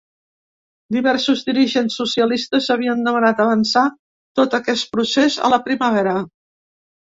Diversos dirigents socialistes havien demanat avançar tot aquest procés a la primavera.